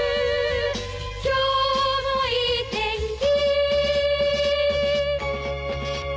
「今日もいい天気」